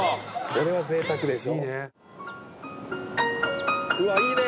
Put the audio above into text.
これはぜいたくでしょ。